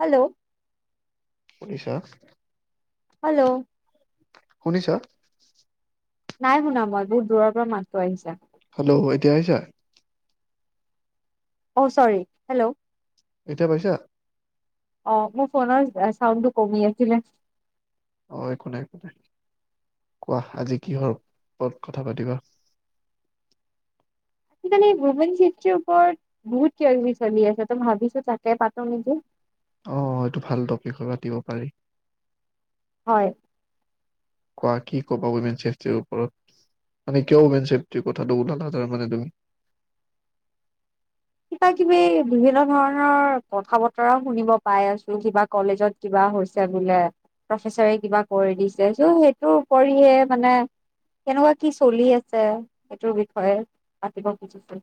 Hello. [unintelligible] Hello. শুনিছা? নাই শুনা মই বহুত দূৰৰ পৰা মাতটো আহিছে। হেল্ল' এতিয়া আহিছে? অ চৰি হেল্ল'। এতিয়া পাইছা? অ মোৰ ফোনৰ চাউণ্ডটো কমি আছিলে। অ একো নাই। কোৱা আজি কিহৰ ওপৰত কথা পাতিবা? আজিকালি ৱমেন চেফ্টিৰ ওপৰত বহুত কিবাকিবি চলি আছে ভাবিছো তাকে পাতো নেকি? অ এইটো ভাল টপিকত পাতিব পাৰি। হয়। কোৱা কি ক'বা উইমেন চেফ্টিৰ ওপৰত মানে কিয় উইমেন চেফ্টিৰ কথাটো ওলালা তাৰমানে তুমি? কিবা কিবি বিভিন্ন ধৰণৰ কথা বতৰাও শুনিব পাই আছো কিবা কলেজত কিবা হৈছে বোলে প্ৰফেচাৰে কিবা কৰি দিছে চ' সেইটোৰ উপৰিহে মানে কেনেকুৱা কি চলি আছে সেইটোৰ বিষয়ে পাতিব খুজিছো।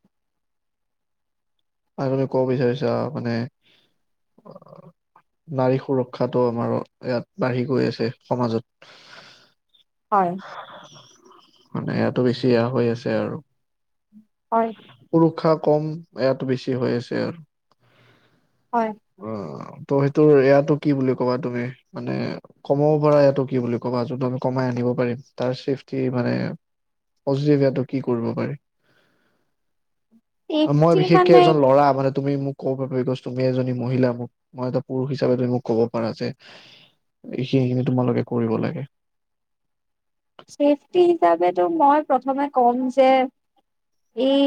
আৰু তুমি কব বিচাৰিছা মানে নাৰী সুৰক্ষাতটো আমাৰ ইয়াত বাঢ়ি গৈ আছে সমাজত। হয়। মানে ইয়াতো বেছি এয়া হৈ আছে আৰু। হয় সুৰক্ষা কম ইয়াত। বেছি হৈ আছে আৰু। হয় অ ত সেইটো ইয়াটো কি বুলি কবা তুমি মানে কমাব পাৰা ইয়াটো কি বুলি ক'বা যোনটো আমি কমাই আনিব পাৰিম তাৰ চেফটি মানে পজিভ ইটো কি কৰিব পাৰি। মই চেফটি মানে বিশেষকে এজন ল'ৰা মানে তুমি মোক ক'ব পাৰিবা তুমি এজনী মহিলা মোক মই এটা পুৰুষ হিচাপে তুমি মোক কব পাৰা যে এইখিনি খিনি তোমালোকে কৰিব লাগে। চেফটি হিচাপেতো মই প্ৰথমে কম যে এই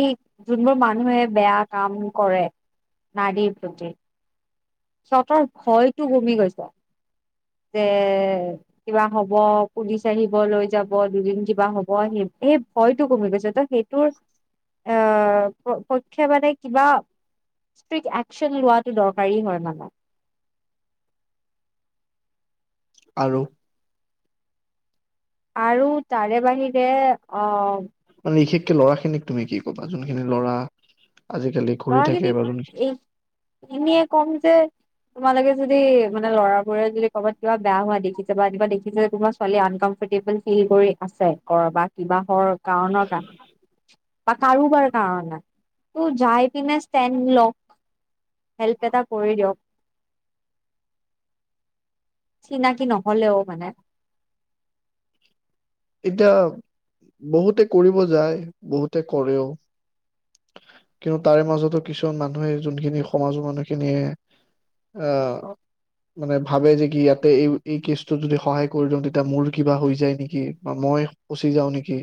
যোনবোৰ মানুহে বেয়া কাম কৰে নাৰীৰ প্ৰতি। সিহঁতৰ ভয়টো কমি গৈছে। যে কিবা হ'ব পুলিচ আহিব লৈ যাব দুদিন কিবা হ'ব সেই সেই ভয়টো কমি গৈছে ত সেইটোৰ এ পক্ষে মানে কিবা ষ্ট্ৰিকট একচন লোৱাটো দৰকাৰী হয় মানে। আৰু আৰু তাৰে বাহিৰে অ। মানে বিশেষকে ল'ৰা খিনিক তুমি কি ক'বা যোনখিনি ল'ৰা। আজিকালি ঘূৰি থাকে ল'ৰাখিনিক বা যোনখিনি এই এনেয়ে কম যে তোমালোকে যদি মানে ল'ৰাবোৰে যদি ক'ৰবাত কিবা বেয়া হোৱা দেখিছে বা কিবা দেখিছে যে কোনোবা ছোৱালী আনকমফৰ্টেবুল ফিল কৰি আছে ক'ৰবাত কিবা হৰ কাৰণৰ কাৰণে বা কাৰোবাৰ কাৰণে তু যায়। কিনে ষ্টেনদ লক হেল্প এটা কৰি দিয়ক। চিনাকি নহ'লেও মানে। এতিয়া বহুতে কৰিব যায় বহুতে কৰেও কিন্তু তাৰে মাজতো কিছুমান মানুহে যোনখিনি সমাজৰ মানুহখিনিয়ে আহ মানে ভাবে যে কি ইয়াতে এই এই কেছটো যদি সহায় কৰি দিওঁ তেতিয়া মোৰ কিবা হৈ যায় নেকি। বা মই ফচি যাওঁ নেকি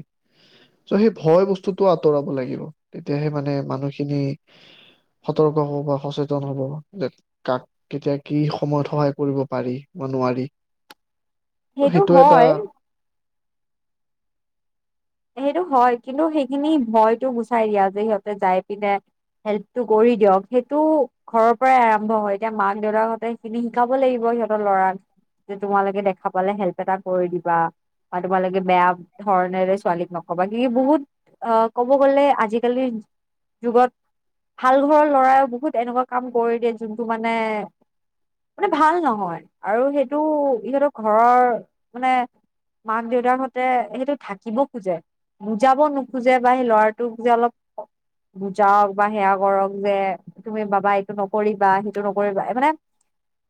ত' সেই ভয় বস্তুটো আঁতৰাব লাগিব তেতিয়াহে মানে মানুহখিনি সতৰ্ক হ'ব বা সচেতন হ'ব যে কাক কেতিয়া কি সময়ত সহায় কৰিব পাৰি বা নোৱাৰি। ত সেইটো এটা হয়। সেইটো হয় কিন্তু সেইখিনি ভয়তো গুচাই দিয়া যে সিহঁতে যাই পিনে হেল্পটো কৰি দিয়ক সেইটো ঘৰৰ পৰাই আৰম্ভ হয় এতিয়া মাক দেউতাক সতে সেইখিনি শিকাব লাগিব সিহঁতৰ লৰাক যে তোমালোকে দেখা পালে হেল্প এটা কৰি দিবা বা তোমালোকে বেয়া ধৰণেৰে ছোৱালীক নকবা কি বহুত আহ ক'ব গ'লে আজিকালিৰ যুগত ভাল ঘৰৰ ল'ৰাও বহুত এনেকুৱা কাম কৰি দিয়ে যোনটো মানে মানে ভাল নহয় আৰু সেইটো ইহঁতৰ ঘৰৰ মানে মাক দেউতাক হঁতে সেইটো ঢাকিব খোজে বুজাব নোখোজে বা সেই ল'ৰাটোক যে অলপ বুজাৱক বা সেয়া কৰক যে তুমি বাবা এইটো নকৰিবা সেইটো নকৰিবা মানে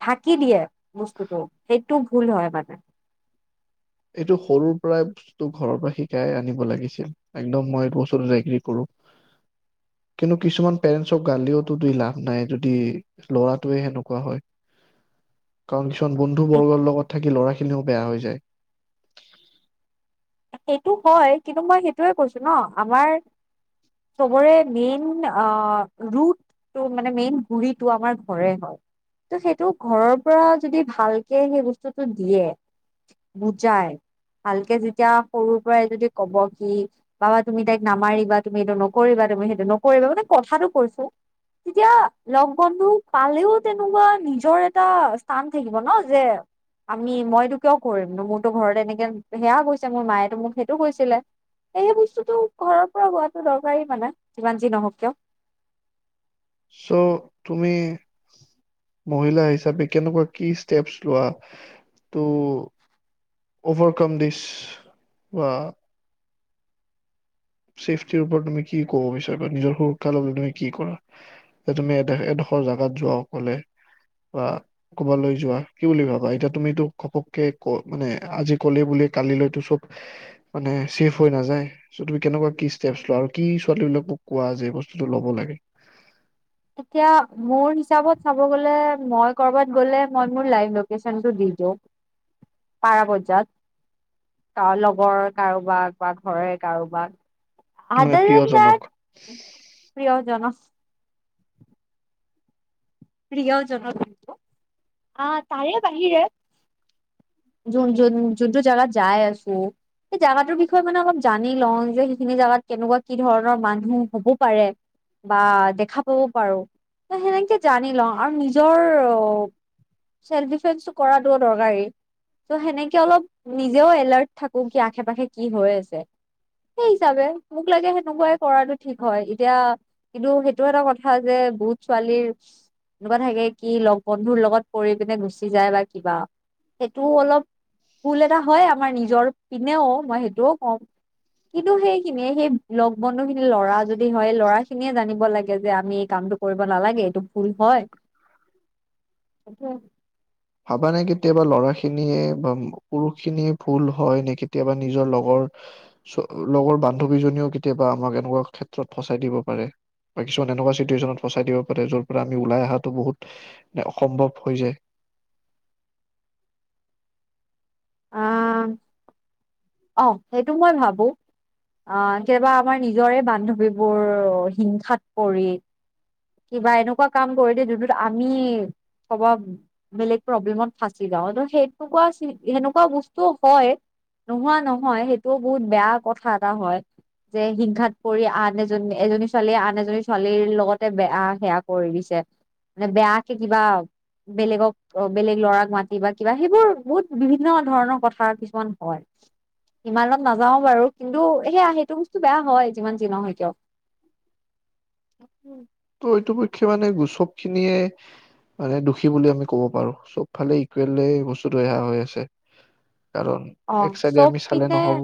ঢাকি দিয়ে বস্তুটো সেইটো ভুল হয় মানে। এইটো সৰুৰ পৰাই বস্তু ঘৰৰ পৰা শিকাই আনিব লাগিছিল। একদম মই এই বস্তুটোত এগ্ৰী কৰোঁ কিন্তু কিছুমান পেৰেণ্টছক গালিও তু দি লাভ নাই যদি ল'ৰাটোৱে সেনেকুৱা হয় কাৰণ বন্ধু বৰ্গৰ লগত থাকি ল'ৰা খিনি। বেয়া হৈ যায় সেইটো হয়, কিন্তু মই সেইটোয়ে কৈছোঁ ন আমাৰ চবৰে মেইন আহ ৰুটটো মানে মেইন গুৰিটো আমাৰ ঘৰে হয়, ত সেইটো ঘৰৰ পৰা যদি ভালকে সেই বস্তুটো দিয়ে বুজাই ভালকে যেতিয়া সৰুৰ পৰাই যদি ক'ব কি বাবা তুমি তাইক নামাৰিবা, তুমি এইটো নকৰিবা, তুমি সেইটো নকৰিবা, মানে কথাটো কৈছোঁ, তেতিয়া লগ বন্ধু পালেও তেনেকুৱা নিজৰ এটা স্থান থাকিব ন যে আমি মই এইটো কিয় কৰিম ন মোৰতো ঘৰত এনেকে সেয়া কৈছে মোৰ মায়ে মোক সেইটো কৈছিলে। সেই বস্তুটো ঘৰৰ পৰা হোৱাটো দৰকাৰী মানে যিমান যি নহওঁক কিয় চ' তুমি মহিলা হিচাপে কেনেকুৱা কি ষ্টেপচ লোৱা, টু অভাৰকাম দিচ বা ছেফটিৰ ওপৰত তুমি কি ক'ব বিচাৰিবা নিজৰ সৰুকালৰ দিনত কি কৰা, যে তুমি এ এডখৰ জোগাত যোৱা অকলে বা ক'বালৈ যোৱা কি বুলি ভাবা এতিয়া তুমিটো ঘপককে ক মানে আজি ক'লে বুলি কালিলৈতো চব মানে ছেফ হৈ নাযায় কেনেকুৱা কি ষ্টেপছ লোৱা আৰু কি ছোৱালী বিলাকক কোৱা যে বস্তুটো ল'ব লাগে? এতিয়া মোৰ হিচাপত চাব গ'লে মই কৰবাত গ'লে মই মোৰ লাইভ লোকেচনটো দি দিওঁ। পাৰা পৰ্যায়ত কা লগৰ কাৰোবাক বা ঘৰে কাৰোবাক মানে আদা জন‌ প্ৰিয়জনক তাক প্ৰিয়জনক প্ৰিয়জনক আহ তাৰে বাহিৰে যোন যোন যোনটো জেগাত যায় আছোঁ, সেই জেগাটোৰ বিষয়ে মানে অলপ জানি লওঁ, যে সেইখিনি জাগাত কেনেকুৱা কি ধৰণৰ মানুহ হ'ব পাৰে বা দেখা পাব পাৰোঁ, ত সেনেকে জানি লওঁ আৰু নিজৰ চেল্ফ ডিফেন্সটো কৰাটোও দৰকাৰী। ত' সেনেকে অলপ নিজেও এলাৰ্ট থাকো কি আশে পাশে কি হৈ আছে, সেই হিচাপে মোক লাগে সেনেকুৱাই কৰাটো ঠিক হয়, এতিয়া কিন্তু সেইটো এটা কথা যে বহুত ছোৱালীৰ এনেকুৱা থাকে কি লগ বন্ধুৰ লগত কৰি পিনে গুচি যায় বা কিবা, সেইটোও অলপ ভুল এটা হয় আমাৰ নিজৰ পিনেও মই সেইটোও কম। কিন্তু সেইখিনিয়ে সেই লগ বন্ধু খিনি ল'ৰা যদি হয় ল'ৰা খিনিয়ে জানিব লাগে যে আমি এই কামটো কৰিব নালাগে এইটো ভুল হয় সেইটোৱে ভাবা নে কেতিয়াবা লৰা খিনিয়ে বা পুৰুষ খিনিয়ে ভুল হয় নে কেতিয়াবা নিজৰ লগৰ লগৰ বান্ধৱীজনীও কেতিয়াবা আমাক এনেকুৱা ক্ষেত্ৰত ফচাই দিব পাৰে, বা কিছুমান এনেকোৱা চিটোয়েছন ফচাই দিব পাৰে যৰ পৰা আমি ওলাই অহাটো বহুত অসম্ভৱ হৈ যায় আহ অ সেইটো মই ভাবো আহ কেতিয়াবা আমাৰ নিজৰে বান্ধৱীবোৰ হিংসাত পৰি কিবা এনেকুৱা কাম কৰি দিয়ে যোনটোত আমি কবা বেলেগ প্ৰব্লেমত ফাঁচি যাও ত সেইনেকুৱা সেনেকুৱা বস্তুও হয় নোহোৱা নহয় সেইটোও বহুত বেয়া কথা এটা হয়, যে হিংসাত পৰি আন এজনী এজনী ছোৱালীয়ে আন এজনী ছোৱালীৰ লগত বেয়া সেয়া কৰি দিছে মানে বেয়াকে কিবা বেলেগক বেলেগ লৰাক মাতি বা কিবা সেইবোৰ বহুত বিভিন্ন ধৰণৰ কথা কিছুমান হয়। সিমানত নাযাও বাৰু কিন্তু সেয়া সেইটো বস্তু বেয়া হয় যিমান যি নহয় কিয় ত এইটো পক্ষে মানে সব খিনিয়ে মানে দুখী বুলি আমি ক'ব পাৰো চব ফালে ইকুৱেল বস্তুটো অহা হৈ আছে কাৰণ অ এক চাইডে চব আমি চালে পিনে নহ'ব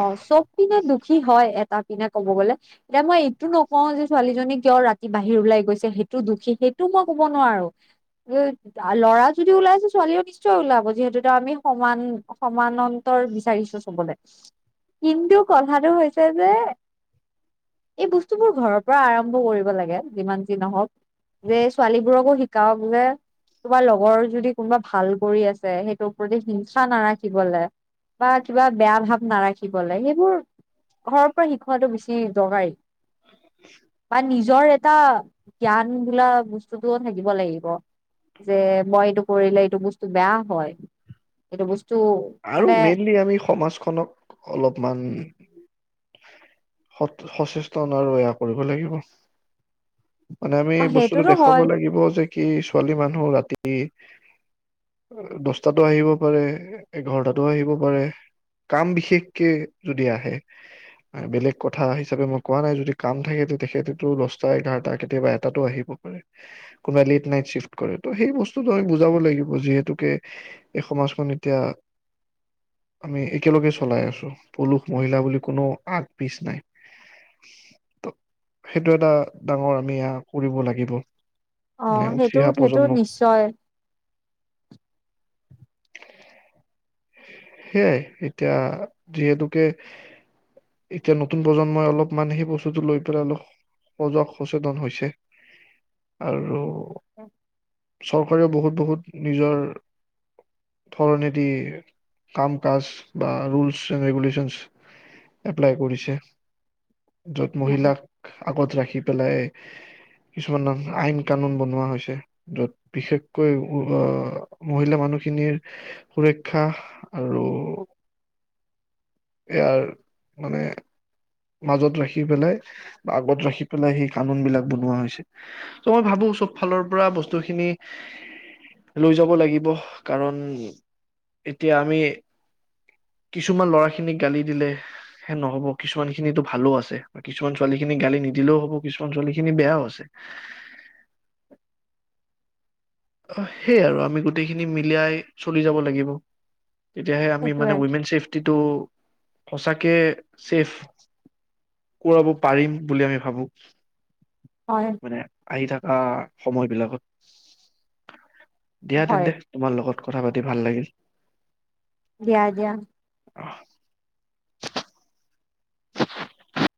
অ চব পিনে দুখী হয় তাৰপিনে কব গলে এতিয়া মই এইটো নকও যে ছোৱালীজনী কিয় ৰাতি বাহিৰ ওলাই গৈছে সেইটো দুখী সেইটোও মই কব নোৱাৰো, ল'ৰা যদি ওলাই আছে ছোৱালীও নিশ্চয় ওলাব যিহেতু এ আমি সমান সমান্তৰ বিচাৰিছো চবলৈ কিন্তু কথাটো হৈছে যে, এই বস্তুবোৰ ঘৰৰ পৰা আৰম্ভ কৰিব লাগে যিমান যি নহওক, যে ছোৱালীবোৰকো শিকাওক যে তোমাৰ লগৰ যদি কোনোবা ভাল কৰি আছে সেইটোৰ প্ৰতি হিংসা নাৰাখিবলৈ বা কিবা বেয়া ভাৱ নাৰাখিব শিকিবলে, সেইবোৰ ঘৰৰ পৰা শিকোৱাটো বেছি দৰকাৰী বা নিজৰ এটা জ্ঞান বোলা বস্তুতটোও থাকিব লাগিব যে মই এইটো কৰিলে এইটো বস্তু বেয়া হয় এইটো বস্তু আৰু মানে মেইনলি আমি সমাজখনক অলপমান স সচেষ্ট এয়া কৰিব লাগিব [unintelligible] মানে আমি অ বস্তুটো সেইটোতো দেখুৱাব হয় লাগিব যে কি ছোৱালী মানুহ ৰাতি দহচ টাতো আহিব পাৰে এঘাৰটাতো আহিব পাৰে, কাম বিশেষকে যদি আহে বেলেগ কথা হিচাপে মই কোৱা নাই যদি কাম থাকে তেখেতো দহটা এঘাৰটা কেতিয়াবা এটাটো আহিব পাৰে কোনোবাই লেট নাইট চিফট কৰে ত সেই বস্তুটো আমি বুজাব লাগিব যিহেতুকে এই সমাজখন এতিয়া আমি একেলগে চলাই আছো পুৰুষ মহিলা বুলি কোনো আগ পিছ নাই ত সেইটো এটা ডাঙৰ আমি কৰিব লাগিব অ মানে উঠি সেইটো অহা সেইটো প্ৰজন্মক নিশ্চয় সেয়াই, এতিয়া যিহেতুকে এতিয়া নতুন প্ৰজন্মই অলপ মান সেই বস্তুটো লৈ পেলাই অলপ সজাগ সচেতন হৈছে। আৰু চৰকাৰেও বহুত বহুত নিজৰ ধৰণে দি কাম কাজ বা ৰুলচ ৰেগুলচন এপ্লাই কৰিছে য'ত অ মহিলাক আগত ৰাখি পেলাই কিছুমান আইন কানুন বনোৱা হৈছে য'ত বিশেষকৈ আহ মহিলা মানুহখিনিৰ সুৰক্ষা আৰু ইয়াৰ মানে মাজত ৰাখি পেলাই বা আগত ৰাখি পেলাই সেই কানুন বিলাক বনোৱা হৈছে। ত মই ভাবো চব ফালৰ পৰা বস্তুখিনি লৈ যাব লাগিব কাৰণ এতিয়া আমি কিছুমান লৰা খিনিক গালি দিলে হে নহব কিছুমান খিনো ভালো আছে কিছুমান ছোৱালী খিনিক গালি নিদিলেও হব কিছুমান ছোৱালী খিনি বেয়াও আছে অ সেইয়া আৰু আমি গোটেইখিনি মিলিয়াই চলি যাব লাগিব তেতিয়াহে আমি মানে সেইটোয়ে উইমেন চছেফটিটো সঁচাকে ছেফ কৰাব পাৰিম বুলি আমি ভাবো হয় মানে আহি থাক অহ সময় বিলাকত দিয়া হয় তেন্তে তোমাৰ লগত কথা পাতি ভাল লাগিল দিয়া দিয়া অহ